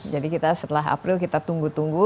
jadi setelah april kita tunggu tunggu